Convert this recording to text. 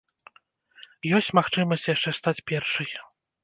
Ёсць магчымасць яшчэ стаць першай.